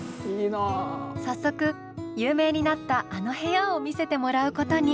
早速有名になったあの部屋を見せてもらうことに。